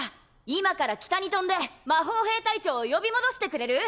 今から北に飛んで魔法兵隊長を呼び戻してくれる？